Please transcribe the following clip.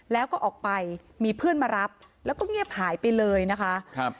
แล้วก็ออกไปมีเพื่อนมารับแล้วก็เงียบหายไปเลยนะคะครับ